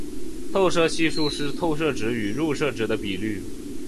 透射系数是透射值与入射值的比率。